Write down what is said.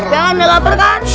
jangan udah lapar kan